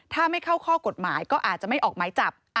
ถ้าไม่เข้าข้อกฎหมายก็อาจจะไม่ออกหมายจับ